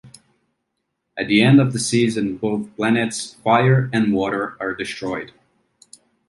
At the end of the season both planets, Fire and Water, are destroyed.